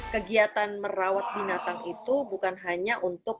kegiatan merawat binatang itu bukan hanya untuk